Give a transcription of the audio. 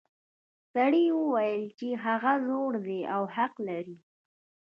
سړي وویل چې هغه زوړ دی او حق لري.